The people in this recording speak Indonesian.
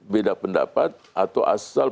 beda pendapat atau asal